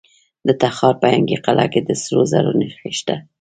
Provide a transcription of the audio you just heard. د تخار په ینګي قلعه کې د سرو زرو نښې شته.